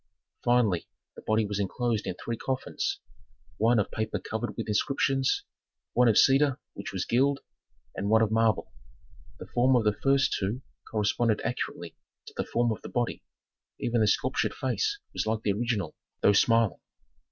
Finally the body was inclosed in three coffins: one of paper covered with inscriptions, one of cedar which was gilt, and one of marble. The form of the first two corresponded accurately to the form of the body; even the sculptured face was like the original, though smiling.